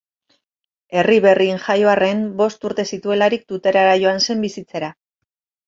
Erriberrin jaio arren, bost urte zituelarik Tuterara joan zen bizitzera.